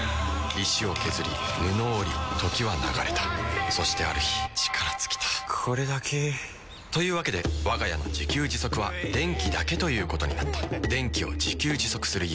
石を削り布を織り時は流れたそしてある日力尽きたこれだけ。というわけでわが家の自給自足は電気だけということになった電気を自給自足する家。